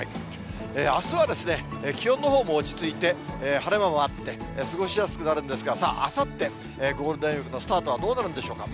あすはですね、気温のほうも落ち着いて、晴れ間もあって、過ごしやすくなるんですが、さあ、あさって、ゴールデンウィークのスタートはどうなるんでしょうか。